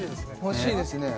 欲しいですね